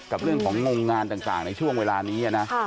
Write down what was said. กับเรื่องของงงงานต่างในช่วงเวลานี้นะ